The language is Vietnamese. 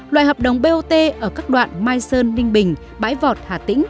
loại hợp đồng bot ở các đoạn mai sơn ninh bình bãi vọt hà tĩnh